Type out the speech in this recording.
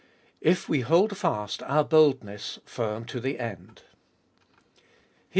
IF WE HOLD FAST OUR BOLDNESS FIRM TO THE END. III.